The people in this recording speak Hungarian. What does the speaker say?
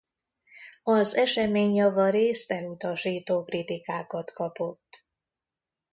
Az esemény javarészt elutasító kritikákat kapott.